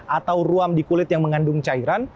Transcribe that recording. atau ruam di kulit yang mengandung cairan